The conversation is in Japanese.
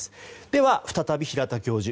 では、再び平田教授